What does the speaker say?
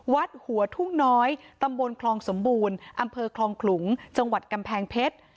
วัดหัวทุ่งน้อยตำบลคลองสมบูรณ์อำเภอคลองขลุงจังหวัดกำแพงเพชร